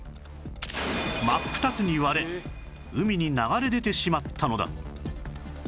真っ二つに割れ海に流れ出てしまったのだ